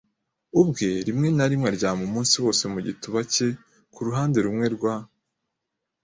ubwe; rimwe na rimwe aryama umunsi wose mu gituba cye ku ruhande rumwe rwa